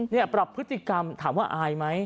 นี่ปรับพฤติกรรมถามว่าอายไหม